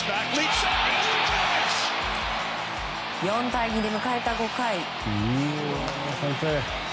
４対２で迎えた５回。